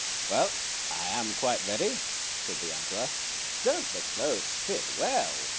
" Well, I am quite ready," said the Emperor. " Don't the clothes fit well?